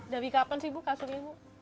dari kapan sih bu kasurnya bu